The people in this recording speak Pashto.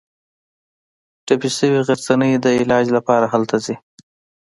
ټپي شوې غرڅنۍ د علاج لپاره هلته ځي.